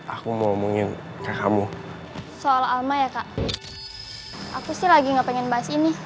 aku sih lagi gak pengen bahas ini